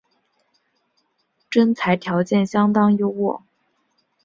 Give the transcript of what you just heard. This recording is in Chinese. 征才条件相当优渥